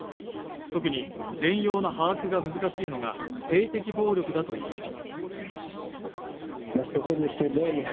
特に全容の把握が難しいのが性的暴力だといいます